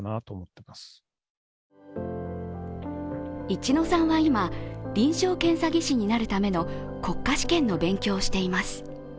一乃さんは今、臨床検査技師になるための国家試験の勉強をしています。